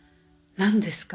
何ですか？